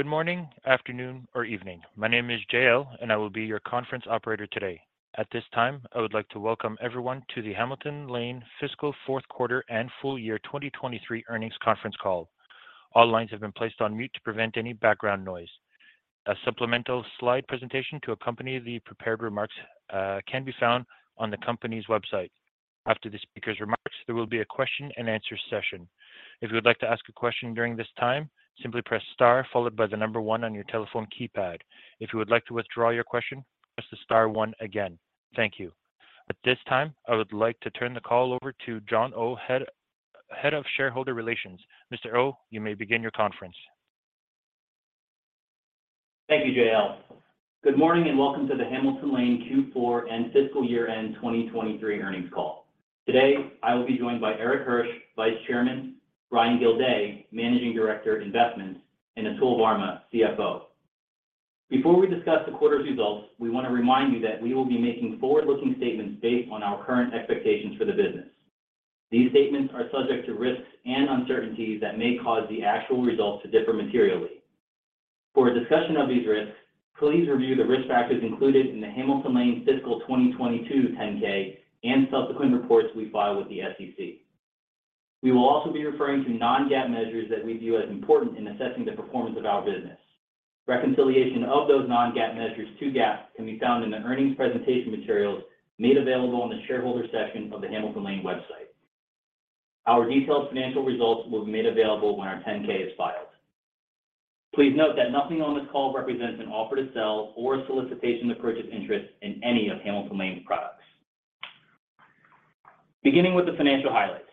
Good morning, afternoon, or evening. My name is Jayle, and I will be your conference operator today. At this time, I would like to welcome everyone to the Hamilton Lane Fiscal Fourth Quarter and Full Year 2023 Earnings Conference Call. All lines have been placed on mute to prevent any background noise. A supplemental slide presentation to accompany the prepared remarks can be found on the company's website. After the speaker's remarks, there will be a question and answer session. If you would like to ask a question during this time, simply press star followed by 1 on your telephone keypad. If you would like to withdraw your question, press the star one again. Thank you. At this time, I would like to turn the call over to John Oh, Head of Shareholder Relations. Mr. Oh, you may begin your conference. Thank you, Jayle. Good morning and welcome to the Hamilton Lane Q4 and Fiscal Year-end 2023 earnings call. Today, I will be joined by Erik Hirsch, Vice Chairman, Brian Gildea, Managing Director, Investments, and Atul Varma, CFO. Before we discuss the quarter's results, we want to remind you that we will be making forward-looking statements based on our current expectations for the business. These statements are subject to risks and uncertainties that may cause the actual results to differ materially. For a discussion of these risks, please review the risk factors included in the Hamilton Lane Fiscal 2022 10-K, and subsequent reports we file with the SEC. We will also be referring to non-GAAP measures that we view as important in assessing the performance of our business. Reconciliation of those non-GAAP measures to GAAP can be found in the earnings presentation materials made available on the shareholder section of the Hamilton Lane website. Our detailed financial results will be made available when our 10-K is filed. Please note that nothing on this call represents an offer to sell or a solicitation to purchase interest in any of Hamilton Lane's products. Beginning with the financial highlights.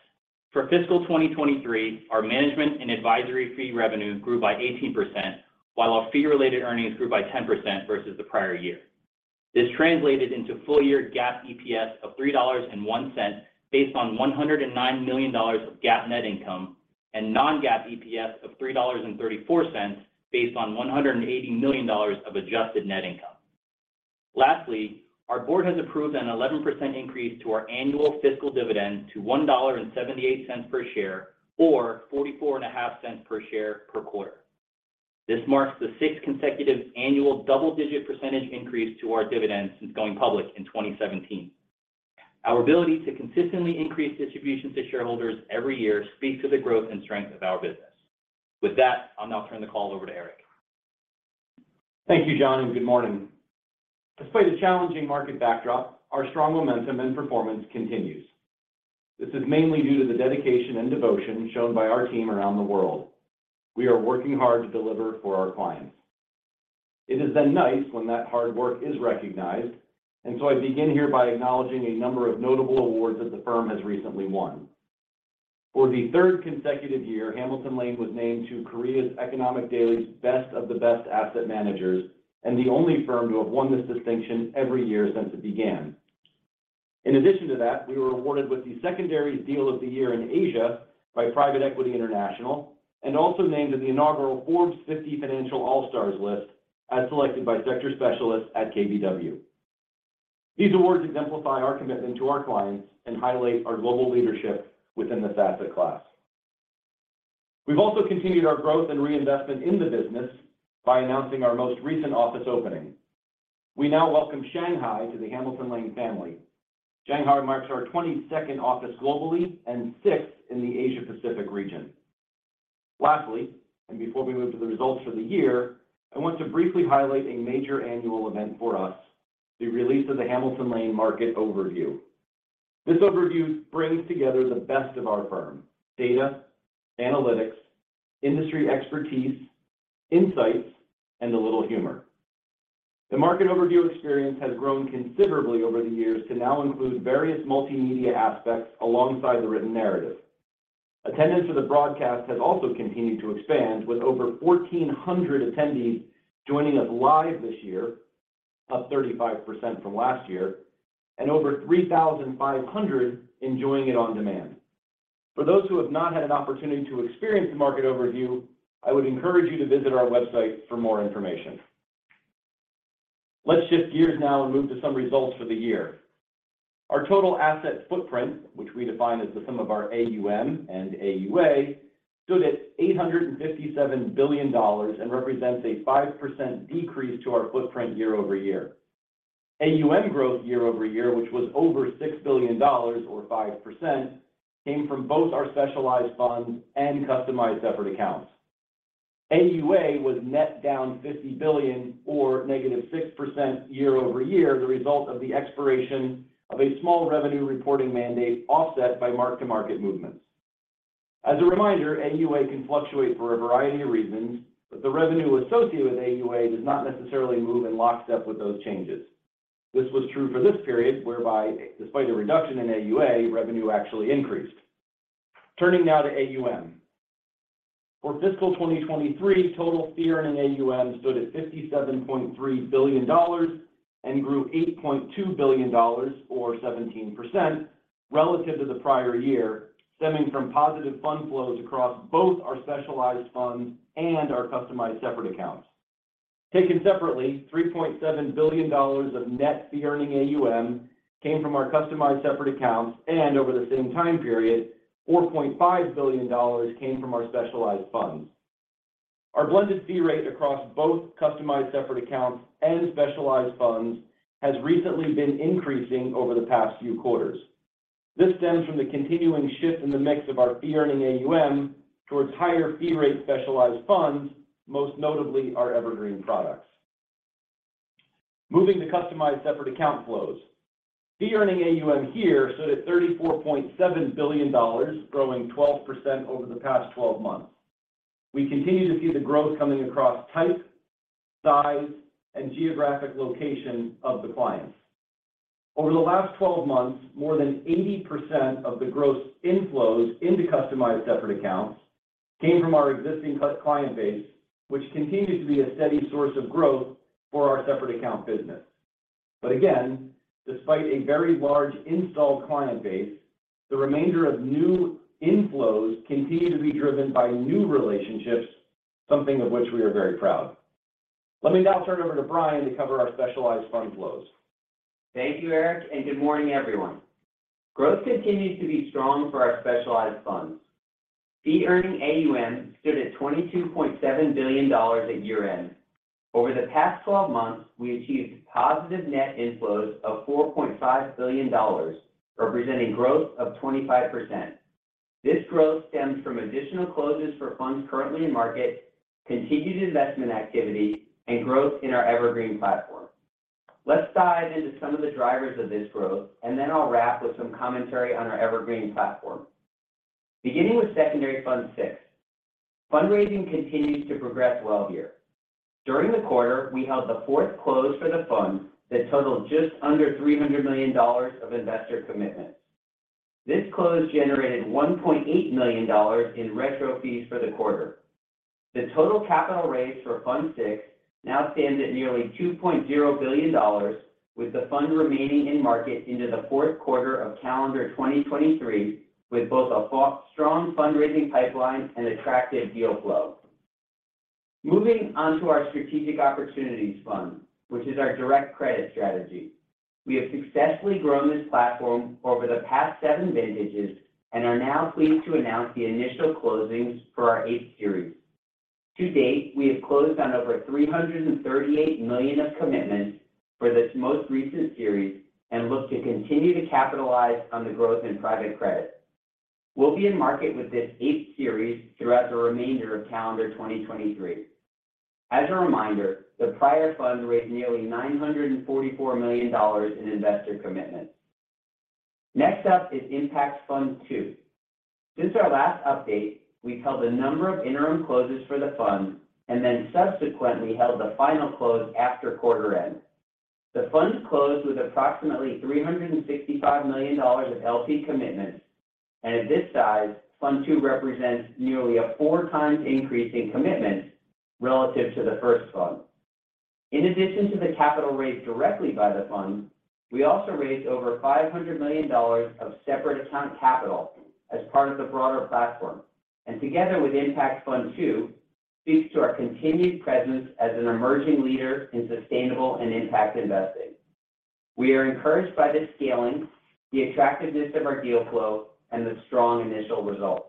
For fiscal 2023, our management and advisory fee revenue grew by 18%, while our fee-related earnings grew by 10% versus the prior year. This translated into full-year GAAP EPS of $3.01, based on $109 million of GAAP net income, and non-GAAP EPS of $3.34, based on $180 million of adjusted net income. Lastly, our board has approved an 11% increase to our annual fiscal dividend to $1.78 per share or forty-four and a half cents per share per quarter. This marks the sixth consecutive annual double-digit percentage increase to our dividends since going public in 2017. Our ability to consistently increase distribution to shareholders every year speaks to the growth and strength of our business. With that, I'll now turn the call over to Erik. Thank you, John. Good morning. Despite a challenging market backdrop, our strong momentum and performance continues. This is mainly due to the dedication and devotion shown by our team around the world. We are working hard to deliver for our clients. It has been nice when that hard work is recognized. I begin here by acknowledging a number of notable awards that the firm has recently won. For the third consecutive year, Hamilton Lane was named to the Korea Economic Daily's Best of the Best Asset Managers, and the only firm to have won this distinction every year since it began. In addition to that, we were awarded with the Secondary Deal of the Year in Asia by Private Equity International, and also named in the inaugural Forbes 50 Financial All-Stars list, as selected by sector specialists at KBW. These awards exemplify our commitment to our clients and highlight our global leadership within this asset class. We've also continued our growth and reinvestment in the business by announcing our most recent office opening. We now welcome Shanghai to the Hamilton Lane family. Shanghai marks our 22nd office globally and sixth in the Asia Pacific region. Lastly, before we move to the results for the year, I want to briefly highlight a major annual event for us, the release of the Hamilton Lane Market Overview. This overview brings together the best of our firm: data, analytics, industry expertise, insights, and a little humor. The market overview experience has grown considerably over the years to now include various multimedia aspects alongside the written narrative. Attendance for the broadcast has also continued to expand, with over 1,400 attendees joining us live this year, up 35% from last year, and over 3,500 enjoying it on demand. For those who have not had an opportunity to experience the Market Overview, I would encourage you to visit our website for more information. Let's shift gears now and move to some results for the year. Our total asset footprint, which we define as the sum of our AUM and AUA, stood at $857 billion and represents a 5% decrease to our footprint year-over-year. AUM growth year-over-year, which was over $6 billion or 5%, came from both our specialized funds and customized separate accounts. AUA was net down $50 billion or negative 6% year-over-year, the result of the expiration of a small revenue reporting mandate, offset by mark-to-market movements. As a reminder, AUA can fluctuate for a variety of reasons, but the revenue associated with AUA does not necessarily move in lockstep with those changes. This was true for this period, whereby despite a reduction in AUA, revenue actually increased. Turning now to AUM. For fiscal 2023, total fee-earning AUM stood at $57.3 billion and grew $8.2 billion or 17% relative to the prior year, stemming from positive fund flows across both our specialized funds and our customized separate accounts. Taken separately, $3.7 billion of net fee-earning AUM came from our customized separate accounts. Over the same time period, $4.5 billion came from our specialized funds. Our blended fee rate across both customized separate accounts and specialized funds has recently been increasing over the past few quarters. This stems from the continuing shift in the mix of our fee-earning AUM towards higher fee rate specialized funds, most notably our Evergreen products. Moving to customized separate account flows. Fee-earning AUM here stood at $34.7 billion, growing 12% over the past 12 months. We continue to see the growth coming across type, size, and geographic location of the clients. Over the last 12 months, more than 80% of the gross inflows into customized separate accounts came from our existing client base, which continues to be a steady source of growth for our separate account business. Again, despite a very large installed client base, the remainder of new inflows continue to be driven by new relationships, something of which we are very proud. Let me now turn it over to Brian to cover our specialized fund flows. Thank you, Erik. Good morning, everyone. Growth continues to be strong for our specialized funds. fee-earning AUM stood at $22.7 billion at year-end. Over the past 12 months, we achieved positive net inflows of $4.5 billion, representing growth of 25%. This growth stems from additional closes for funds currently in market, continued investment activity, and growth in our Evergreen platform. Let's dive into some of the drivers of this growth, and then I'll wrap with some commentary on our Evergreen platform. Beginning with Secondary Fund VI, fundraising continues to progress well here. During the quarter, we held the fourth close for the fund that totaled just under $300 million of investor commitments. This close generated $1.8 million in retrocession fees for the quarter. The total capital raised for Fund VI now stands at nearly $2.0 billion, with the fund remaining in market into the fourth quarter of calendar 2023, with both a strong fundraising pipeline and attractive deal flow. Moving on to our Strategic Opportunities Fund, which is our direct credit strategy. We have successfully grown this platform over the past seven vintages and are now pleased to announce the initial closings for our eighth series. To date, we have closed on over $338 million of commitments for this most recent series and look to continue to capitalize on the growth in private credit. We'll be in market with this eighth series throughout the remainder of calendar 2023. As a reminder, the prior fund raised nearly $944 million in investor commitments. Next up is Impact Fund II. Since our last update, we've held a number of interim closes for the fund and then subsequently held the final close after quarter end. The fund closed with approximately $365 million of LP commitments, and at this size, Fund II represents nearly a 4 times increase in commitments relative to the first fund. In addition to the capital raised directly by the fund, we also raised over $500 million of separate account capital as part of the broader platform, and together with Impact Fund II, speaks to our continued presence as an emerging leader in sustainable and impact investing. We are encouraged by the scaling, the attractiveness of our deal flow, and the strong initial results.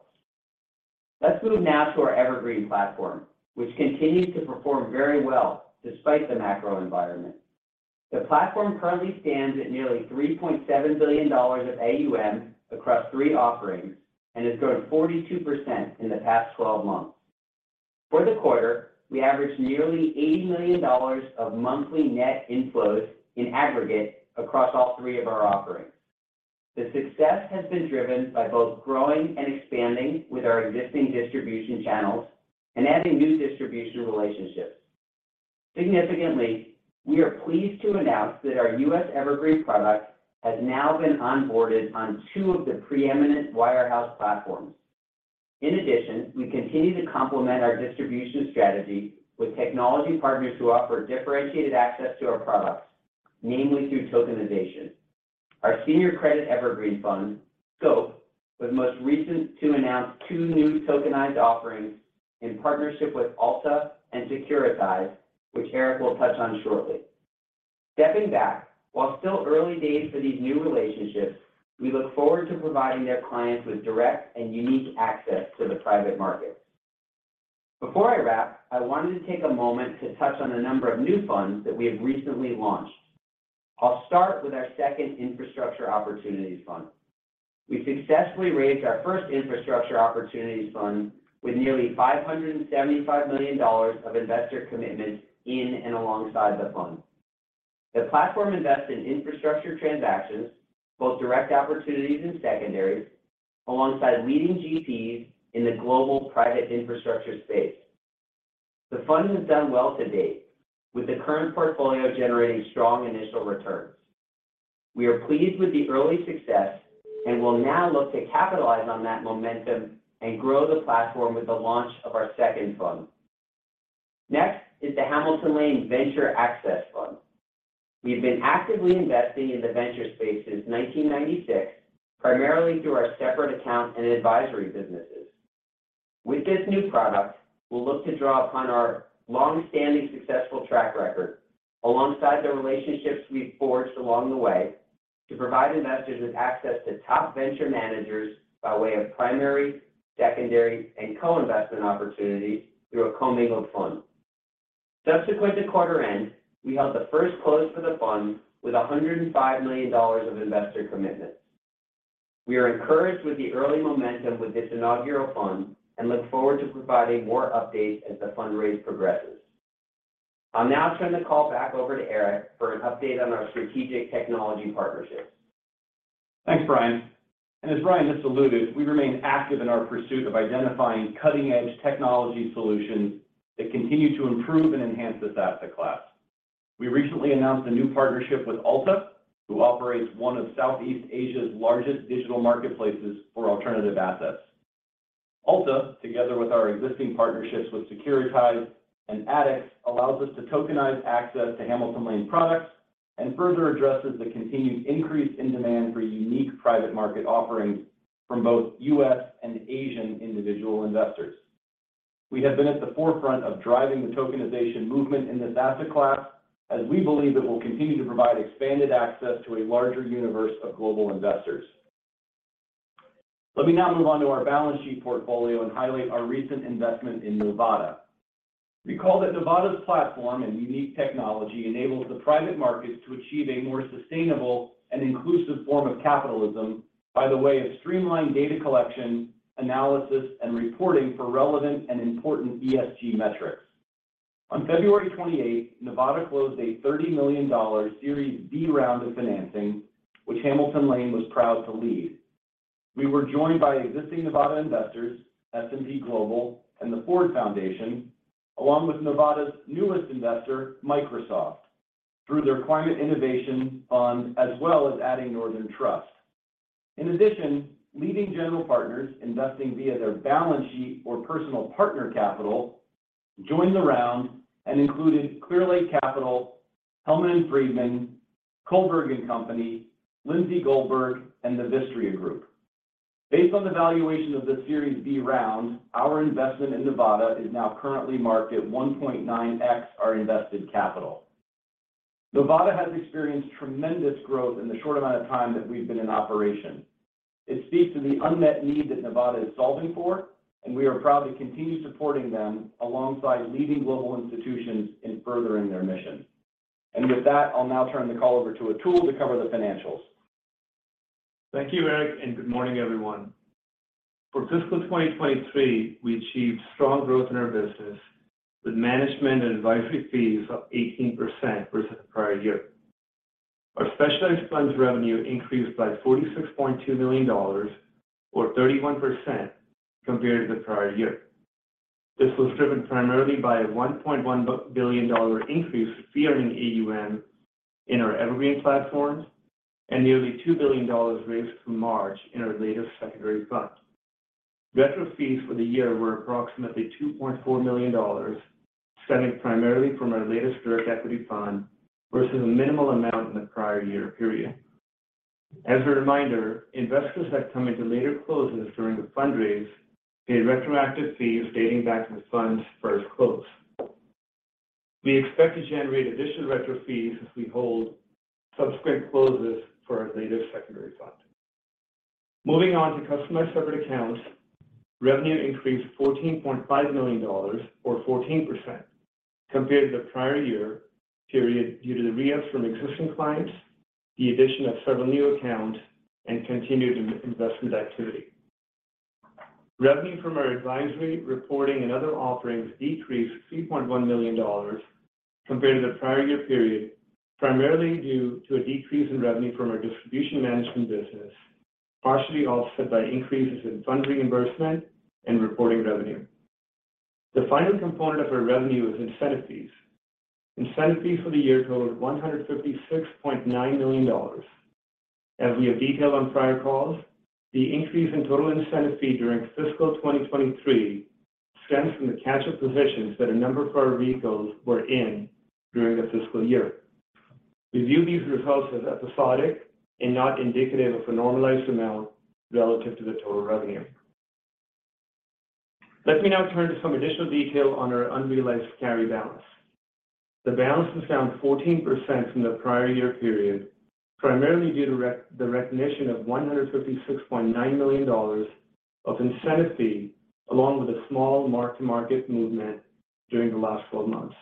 Let's move now to our Evergreen platform, which continues to perform very well despite the macro environment. The platform currently stands at nearly $3.7 billion of AUM across three offerings and has grown 42% in the past 12 months. For the quarter, we averaged nearly $80 million of monthly net inflows in aggregate across all three of our offerings. The success has been driven by both growing and expanding with our existing distribution channels and adding new distribution relationships. Significantly, we are pleased to announce that our U.S. Evergreen product has now been onboarded on two of the preeminent wirehouse platforms. In addition, we continue to complement our distribution strategy with technology partners who offer differentiated access to our products, namely through tokenization. Our senior credit Evergreen fund, SCOPE, was most recent to announce two new tokenized offerings in partnership with Alta and Securitize, which Erik will touch on shortly. Stepping back, while still early days for these new relationships, we look forward to providing their clients with direct and unique access to the private market. Before I wrap, I wanted to take a moment to touch on a number of new funds that we have recently launched. I'll start with our second Infrastructure Opportunities Fund. We successfully raised our first Infrastructure Opportunities Fund with nearly $575 million of investor commitments in and alongside the fund. The platform invests in infrastructure transactions, both direct opportunities and secondaries, alongside leading GPs in the global private infrastructure space. The fund has done well to date, with the current portfolio generating strong initial returns. We are pleased with the early success and will now look to capitalize on that momentum and grow the platform with the launch of our second fund, is the Hamilton Lane Venture Access Fund. We've been actively investing in the venture space since 1996, primarily through our separate account and advisory businesses. With this new product, we'll look to draw upon our long-standing, successful track record, alongside the relationships we've forged along the way, to provide investors with access to top venture managers by way of primary, secondary, and co-investment opportunities through a commingled fund. Subsequent to quarter end, we held the first close for the fund with $105 million of investor commitments. We are encouraged with the early momentum with this inaugural fund and look forward to providing more updates as the fundraise progresses. I'll now turn the call back over to Erik for an update on our strategic technology partnerships. Thanks, Brian. As Brian just alluded, we remain active in our pursuit of identifying cutting-edge technology solutions that continue to improve and enhance this asset class. We recently announced a new partnership with Alta, who operates one of Southeast Asia's largest digital marketplaces for alternative assets. Alta, together with our existing partnerships with Securitize and ADDX, allows us to tokenize access to Hamilton Lane products and further addresses the continued increase in demand for unique private market offerings from both U.S. and Asian individual investors. We have been at the forefront of driving the tokenization movement in this asset class, as we believe it will continue to provide expanded access to a larger universe of global investors. Let me now move on to our balance sheet portfolio and highlight our recent investment in Novata. Recall that Novata's platform and unique technology enables the private markets to achieve a more sustainable and inclusive form of capitalism by the way of streamlined data collection, analysis, and reporting for relevant and important ESG metrics. On February 28th, Novata closed a $30 million Series B round of financing, which Hamilton Lane was proud to lead. We were joined by existing Novata investors, S&P Global, and the Ford Foundation, along with Novata's newest investor, Microsoft, through their Climate Innovation Fund, as well as adding Northern Trust. In addition, leading general partners, investing via their balance sheet or personal partner capital, joined the round and included Clearlake Capital, Hellman & Friedman, Kohlberg & Company, Lindsay Goldberg, and The Vistria Group. Based on the valuation of the Series B round, our investment in Novata is now currently marked at 1.9x, our invested capital. Novata has experienced tremendous growth in the short amount of time that we've been in operation. It speaks to the unmet need that Novata is solving for. We are proud to continue supporting them alongside leading global institutions in furthering their mission. With that, I'll now turn the call over to Atul to cover the financials. Thank you, Erik, and good morning, everyone. For fiscal 2023, we achieved strong growth in our business, with management and advisory fees up 18% versus the prior year. Our specialized funds revenue increased by $46.2 million, or 31% compared to the prior year. This was driven primarily by a $1.1 billion increase fee in AUM in our Evergreen platforms and nearly $2 billion raised through March in our latest secondary fund. Retro fees for the year were approximately $2.4 million, stemming primarily from our latest direct equity fund versus a minimal amount in the prior year period. As a reminder, investors that come into later closes during the fundraise paid retroactive fees dating back to the fund's first close. We expect to generate additional retrocession fees as we hold subsequent closes for our latest secondary fund. Moving on to customer separate accounts, revenue increased $14.5 million, or 14% compared to the prior year period due to the re-ups from existing clients, the addition of several new accounts, and continued co-investment activity. Revenue from our advisory, reporting, and other offerings decreased $3.1 million compared to the prior year period, primarily due to a decrease in revenue from our distribution management business, partially offset by increases in fund reimbursement and reporting revenue. The final component of our revenue is incentive fees. Incentive fees for the year totaled $156.9 million. As we have detailed on prior calls, the increase in total incentive fee during fiscal 2023 stems from the catch-up positions that a number of our vehicles were in during the fiscal year. We view these results as episodic and not indicative of a normalized amount relative to the total revenue. Let me now turn to some additional detail on our unrealized carry balance. The balance was down 14% from the prior year period, primarily due to the recognition of $156.9 million of incentive fee, along with a small mark-to-market movement during the last 12 months.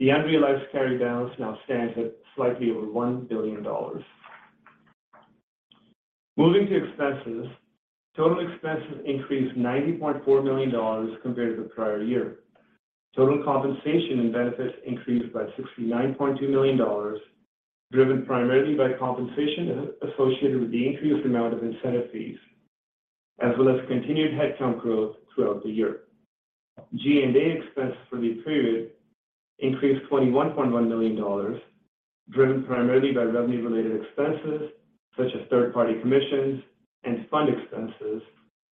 The unrealized carry balance now stands at slightly over $1 billion. Moving to expenses, total expenses increased $90.4 million compared to the prior year. Total compensation and benefits increased by $69.2 million, driven primarily by compensation associated with the increased amount of incentive fees, as well as continued headcount growth throughout the year. G&A expense for the period increased $21.1 million, driven primarily by revenue-related expenses, such as third-party commissions and fund expenses.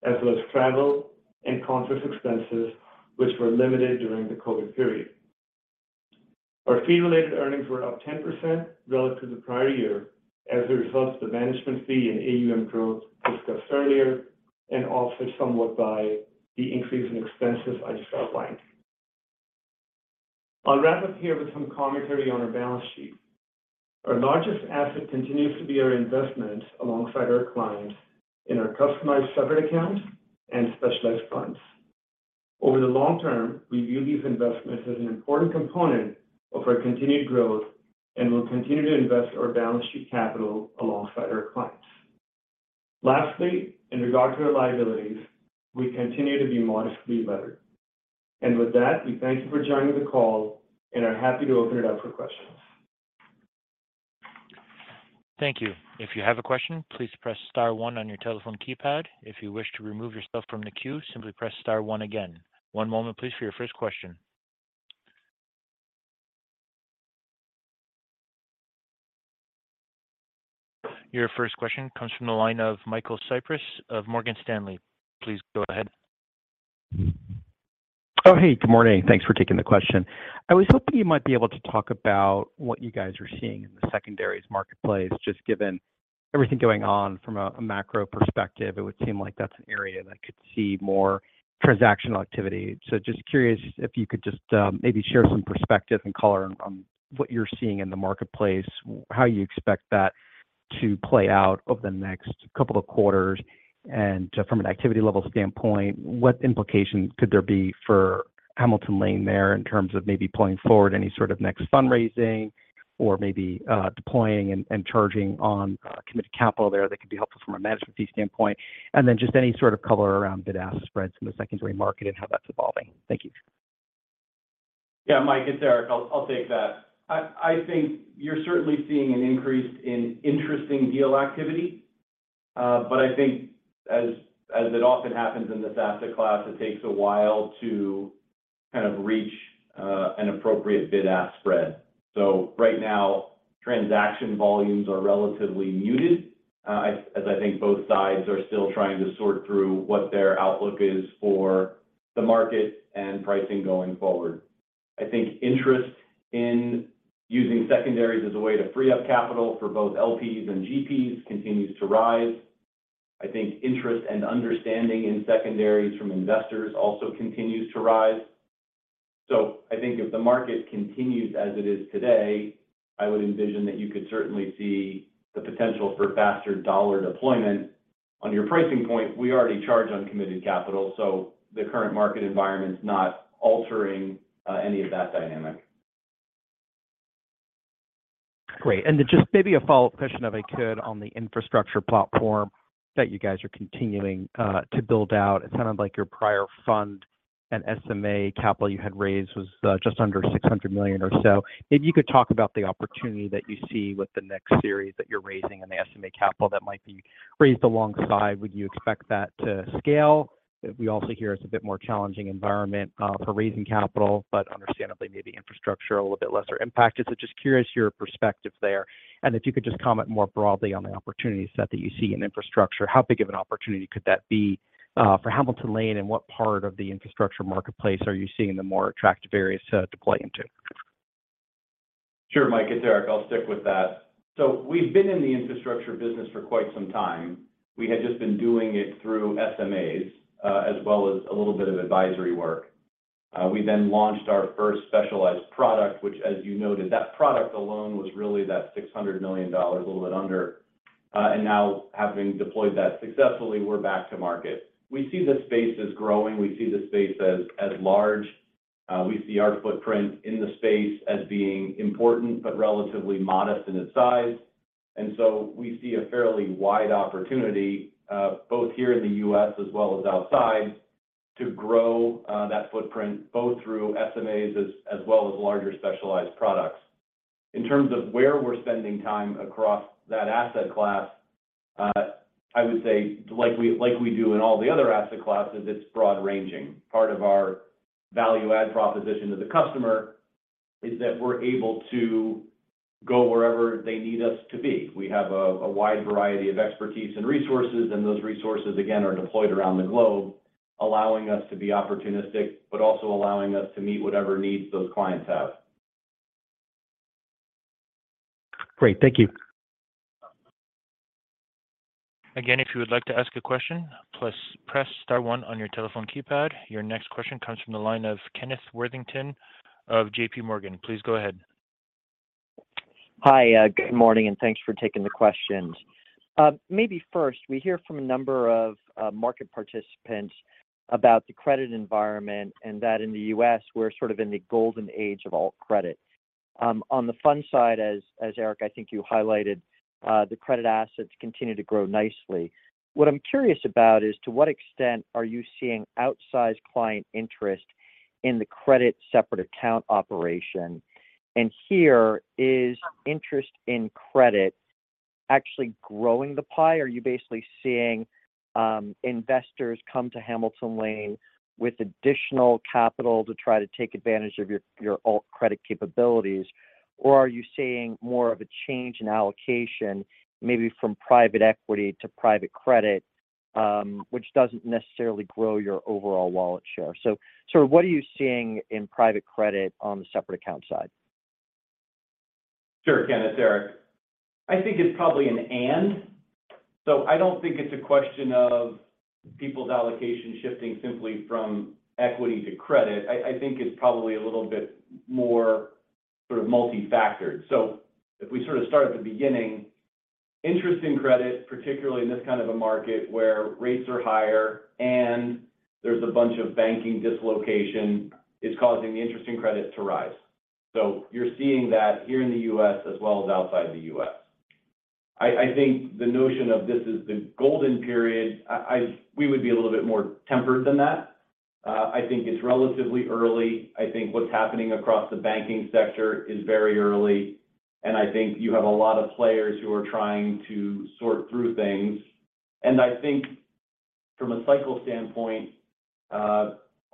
As well as travel and conference expenses, which were limited during the COVID period. Our fee-related earnings were up 10% relative to the prior year as a result of the management fee and AUM growth discussed earlier, and also somewhat by the increase in expenses I just outlined. I'll wrap up here with some commentary on our balance sheet. Our largest asset continues to be our investment alongside our clients in our customized separate account and specialized funds. Over the long term, we view these investments as an important component of our continued growth, and we'll continue to invest our balance sheet capital alongside our clients. Lastly, in regard to our liabilities, we continue to be modestly levered. With that, we thank you for joining the call and are happy to open it up for questions. Thank you. If you have a question, please press star one on your telephone keypad. If you wish to remove yourself from the queue, simply press star one again. One moment please, for your first question. Your first question comes from the line of Michael Cyprys of Morgan Stanley. Please go ahead. Oh hey, good morning. Thanks for taking the question. I was hoping you might be able to talk about what you guys are seeing in the secondaries marketplace, just given everything going on from a macro perspective, it would seem like that's an area that could see more transactional activity. Just curious if you could just maybe share some perspective and color on what you're seeing in the marketplace, how you expect that to play out over the next couple of quarters. From an activity level standpoint, what implications could there be for Hamilton Lane there in terms of maybe pulling forward any sort of next fundraising or maybe deploying and charging on committed capital there that could be helpful from a management fee standpoint? Just any sort of color around bid-ask spreads in the secondary market and how that's evolving. Thank you. Yeah Mike, it's Eric. I'll take that. I think you're certainly seeing an increase in interesting deal activity. I think as it often happens in this asset class, it takes a while to kind of reach an appropriate bid-ask spread. Right now, transaction volumes are relatively muted as I think both sides are still trying to sort through what their outlook is for the market and pricing going forward. I think interest in using secondaries as a way to free up capital for both LPs and GPs continues to rise. I think interest and understanding in secondaries from investors also continues to rise. I think if the market continues as it is today, I would envision that you could certainly see the potential for faster dollar deployment. On your pricing point we already charge on committed capital, so the current market environment is not altering any of that dynamic. Great. Just maybe a follow-up question, if I could, on the infrastructure platform that you guys are continuing to build out. It sounded like your prior fund and SMA capital you had raised was just under $600 million or so. Maybe you could talk about the opportunity that you see with the next series that you're raising and the SMA capital that might be raised alongside. Would you expect that to scale? We also hear it's a bit more challenging environment for raising capital, but understandably, maybe infrastructure, a little bit lesser impact. Just curious your perspective there, and if you could just comment more broadly on the opportunity set that you see in infrastructure. How big of an opportunity could that be, for Hamilton Lane, and what part of the infrastructure marketplace are you seeing the more attractive areas, to play into? Sure Mike, it's Erik. I'll stick with that. We've been in the infrastructure business for quite some time. We had just been doing it through SMAs, as well as a little bit of advisory work. We launched our first specialized product, which, as you noted, that product alone was really that $600 million, a little bit under. Having deployed that successfully we're back to market. We see the space as growing. We see the space as large. We see our footprint in the space as being important, but relatively modest in its size. We see a fairly wide opportunity, both here in the US as well as outside, to grow that footprint, both through SMAs as well as larger specialized products. In terms of where we're spending time across that asset class, I would say, like we do in all the other asset classes, it's broad-ranging. Part of our value add proposition to the customer is that we're able to go wherever they need us to be. We have a wide variety of expertise and resources, and those resources, again, are deployed around the globe, allowing us to be opportunistic, but also allowing us to meet whatever needs those clients have. Great. Thank you. Again, if you would like to ask a question, please press star one on your telephone keypad. Your next question comes from the line of Kenneth Worthington of JPMorgan. Please go ahead. Hi, good morning, and thanks for taking the questions. Maybe first, we hear from a number of market participants about the credit environment and that in the U.S., we're sort of in the golden age of alt credit. On the fund side, as Eric, I think you highlighted, the credit assets continue to grow nicely. What I'm curious about is, to what extent are you seeing outsized client interest in the credit separate account operation? And here, is interest in credit actually growing the pie, or are you basically seeing investors come to Hamilton Lane with additional capital to try to take advantage of your alt credit capabilities? Or are you seeing more of a change in allocation, maybe from private equity to private credit? Which doesn't necessarily grow your overall wallet share. What are you seeing in private credit on the separate account side? Sure Kenneth, Erik. I think it's probably an and. I don't think it's a question of people's allocation shifting simply from equity to credit. I think it's probably a little bit more sort of multi-factored. If we sort of start at the beginning, interest in credit, particularly in this kind of a market where rates are higher and there's a bunch of banking dislocation, is causing the interest in credit to rise. You're seeing that here in the U.S. as well as outside the U.S. I think the notion of this is the golden period, I think we would be a little bit more tempered than that. I think it's relatively early. I think what's happening across the banking sector is very early, and I think you have a lot of players who are trying to sort through things. I think from a cycle standpoint,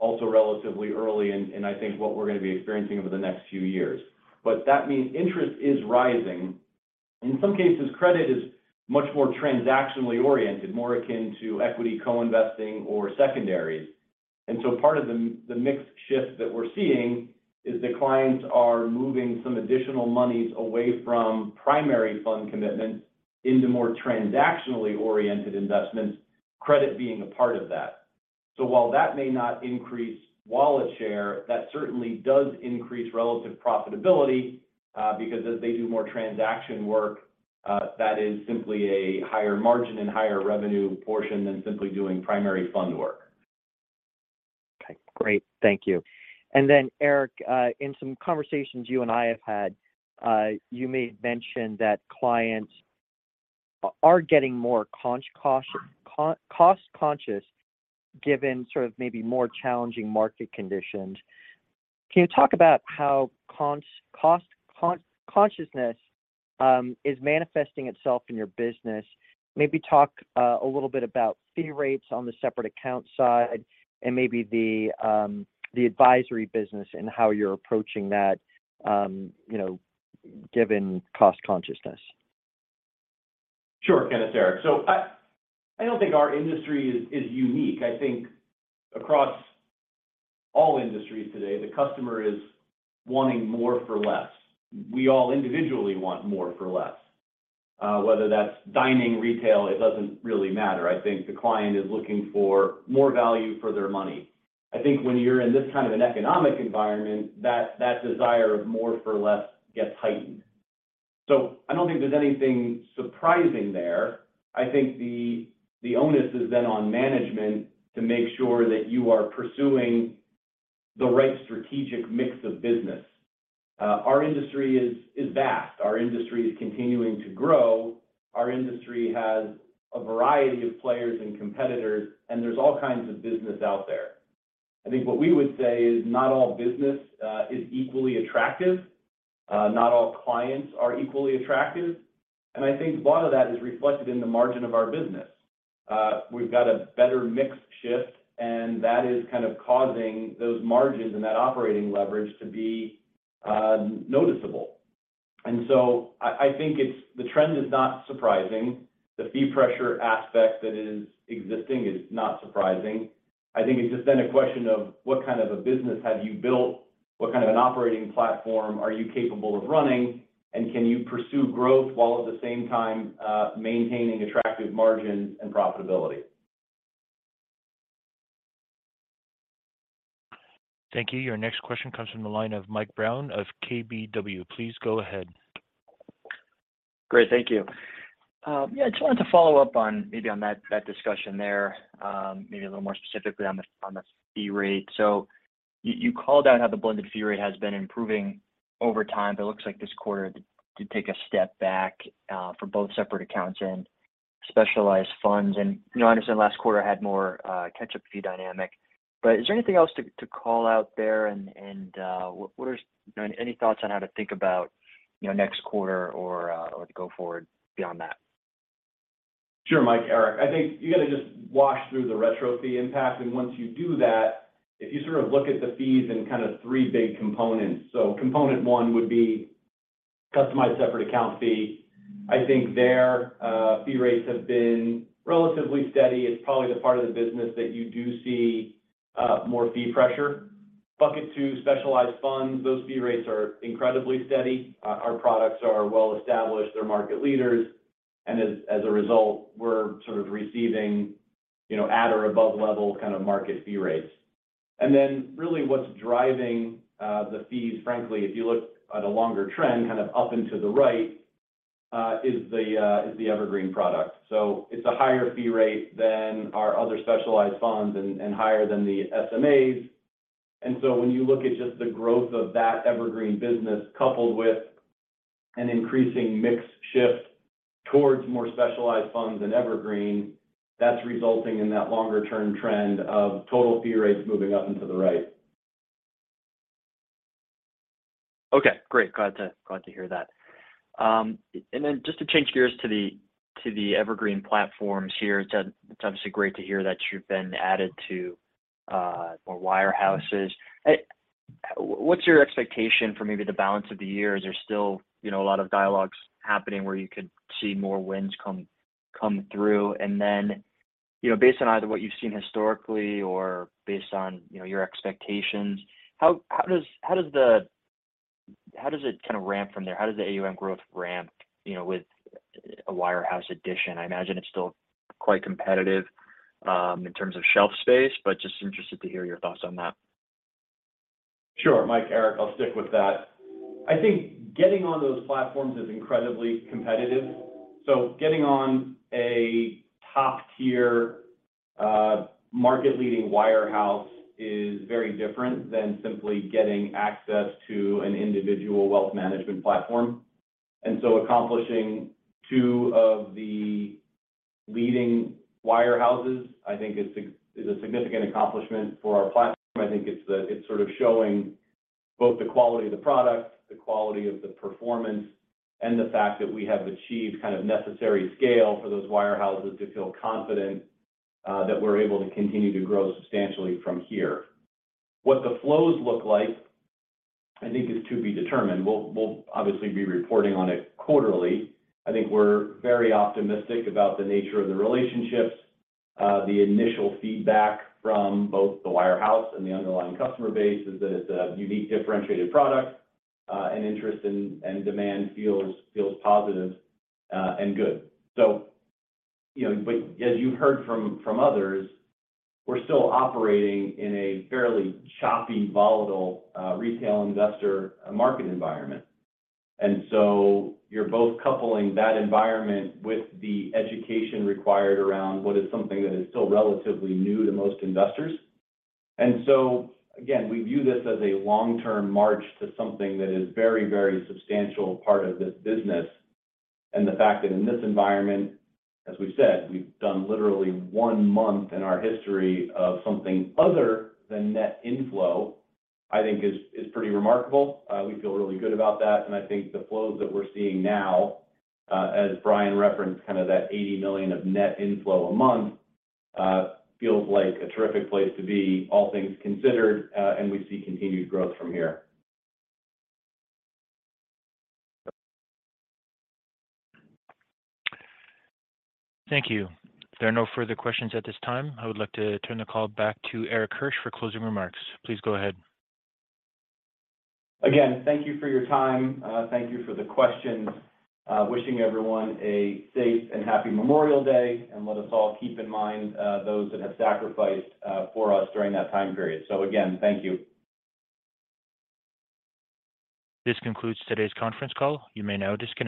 also relatively early, and I think what we're going to be experiencing over the next few years. That means interest is rising. In some cases, credit is much more transactionally oriented, more akin to equity co-investing or secondaries. Part of the mix shift that we're seeing is that clients are moving some additional monies away from primary fund commitments into more transactionally oriented investments, credit being a part of that. While that may not increase wallet share, that certainly does increase relative profitability, because as they do more transaction work, that is simply a higher margin and higher revenue portion than simply doing primary fund work. Okay, great. Thank you. Erik, in some conversations you and I have had, you made mention that clients are getting more cost-conscious, given sort of maybe more challenging market conditions. Can you talk about how cost consciousness is manifesting itself in your business? Maybe talk a little bit about fee rates on the separate account side and maybe the advisory business and how you're approaching that, you know, given cost consciousness. Sure Kenneth, Erik. I don't think our industry is unique. I think across all industries today, the customer is wanting more for less. We all individually want more for less, whether that's dining, retail, it doesn't really matter. I think the client is looking for more value for their money. I think when you're in this kind of an economic environment, that desire of more for less gets heightened. I don't think there's anything surprising there. I think the onus is then on management to make sure that you are pursuing the right strategic mix of business. Our industry is vast. Our industry is continuing to grow. Our industry has a variety of players and competitors, and there's all kinds of business out there. I think what we would say is not all business is equally attractive. Not all clients are equally attractive, and I think a lot of that is reflected in the margin of our business. We've got a better mix shift, and that is kind of causing those margins and that operating leverage to be noticeable. I think it's the trend is not surprising. The fee pressure aspect that is existing is not surprising. I think it's just then a question of what kind of a business have you built? What kind of an operating platform are you capable of running? Can you pursue growth while at the same time, maintaining attractive margins and profitability? Thank you. Your next question comes from the line of Michael Brown of KBW. Please go ahead. Great. Thank you. Yeah, I just wanted to follow up on maybe on that discussion there, maybe a little more specifically on the, on the fee rate. You called out how the blended fee rate has been improving over time, but it looks like this quarter did take a step back for both separate accounts and specialized funds. You know, I understand last quarter had more catch-up fee dynamic. Is there anything else to call out there? Any thoughts on how to think about you know, next quarter or to go forward beyond that? Sure Mike. Erik, I think you got to just wash through the retro fee impact, and once you do that, if you sort of look at the fees in kind of 3 big components. Component 1 would be customized separate account fee. I think their fee rates have been relatively steady. It's probably the part of the business that you do see more fee pressure. Bucket 2, specialized funds, those fee rates are incredibly steady. Our products are well established. They're market leaders, and as a result, we're sort of receiving, you know, at or above level kind of market fee rates. Really what's driving the fees, frankly, if you look at a longer trend, kind of up and to the right, is the Evergreen product. It's a higher fee rate than our other specialized funds and higher than the SMAs. When you look at just the growth of that Evergreen business, coupled with an increasing mix shift towards more specialized funds than Evergreen, that's resulting in that longer-term trend of total fee rates moving up and to the right. Okay, great. Glad to, glad to hear that. Just to change gears to the Evergreen platforms here, it's obviously great to hear that you've been added to more wirehouses. What's your expectation for maybe the balance of the year? Is there still you know, a lot of dialogues happening where you could see more wins come through? You know, based on either what you've seen historically or based on, you know, your expectations, how does it kind of ramp from there? How does the AUM growth ramp, you know, with a wirehouse addition? I imagine it's still quite competitive in terms of shelf space, but just interested to hear your thoughts on that. Sure. Mike, Erik, I'll stick with that. I think getting on those platforms is incredibly competitive. Getting on a top-tier, market-leading wirehouse is very different than simply getting access to an individual wealth management platform. Accomplishing two of the leading wirehouses, I think is a, is a significant accomplishment for our platform. I think it's sort of showing both the quality of the product, the quality of the performance, and the fact that we have achieved kind of necessary scale for those wirehouses to feel confident that we're able to continue to grow substantially from here. What the flows look like, I think, is to be determined. We'll obviously be reporting on it quarterly. I think we're very optimistic about the nature of the relationships. The initial feedback from both the wirehouse and the underlying customer base is that it's a unique, differentiated product, and interest and demand feels positive, and good. You know, but as you've heard from others, we're still operating in a fairly choppy, volatile, retail investor market environment. You're both coupling that environment with the education required around what is something that is still relatively new to most investors. Again, we view this as a long-term march to something that is very substantial part of this business. The fact that in this environment, as we've said, we've done literally one month in our history of something other than net inflow, I think is pretty remarkable. We feel really good about that, and I think the flows that we're seeing now, as Brian referenced, kind of that $80 million of net inflow a month, feels like a terrific place to be, all things considered, and we see continued growth from here. Thank you. There are no further questions at this time. I would like to turn the call back to Erik Hirsch for closing remarks. Please go ahead. Again, thank you for your time. Thank you for the questions. Wishing everyone a safe and happy Memorial Day, let us all keep in mind those that have sacrificed for us during that time period. Again, thank you. This concludes today's conference call. You may now disconnect.